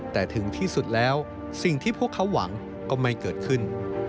แต่ถึงที่สุดแล้วสิ่งที่พวกเขาหวังก็ไม่เกิดขึ้น